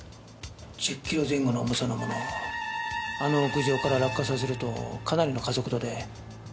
１０キロ前後の重さの物をあの屋上から落下させるとかなりの加速度で下の地面